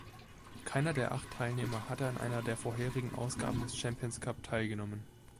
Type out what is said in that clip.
Keiner der acht Teilnehmer hatte an einer der vorherigen Ausgaben des Champions Cup teilgenommen.